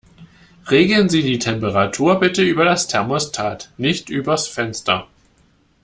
Regeln Sie die Temperatur bitte über das Thermostat, nicht übers Fenster.